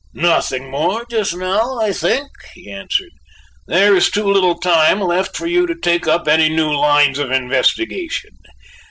"Nothing more just now, I think," he answered. "There is too little time left for you to take up any new lines of investigation.